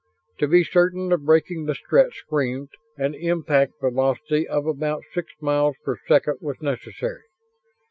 To be certain of breaking the Strett screens, an impact velocity of about six miles per second was necessary.